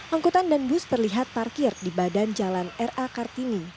angkutan dan bus terlihat parkir di badan jalan ra kartini